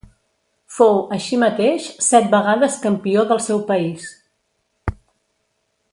Fou, així mateix, set vegades campió del seu país.